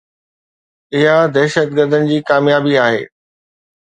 اها دهشتگردن جي ڪاميابي آهي.